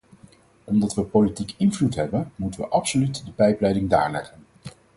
Omdat we politieke invloed hebben, moeten we absoluut de pijpleiding daar leggen.